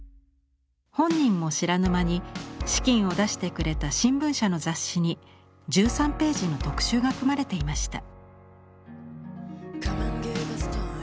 本人も知らぬ間に資金を出してくれた新聞社の雑誌に１３ページの特集が組まれていました。